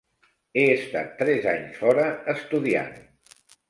He estat tres anys fora, estudiant.